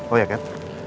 oh ya kat